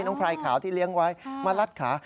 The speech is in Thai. พรายขาวที่เลี้ยงไว้มารัดขา